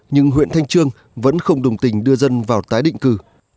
nhưng huyện thanh trương vẫn không đồng tình đưa dân vào tái định cư